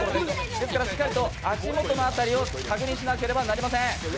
ですからしっかりと足元の辺りを確認しなければなりません。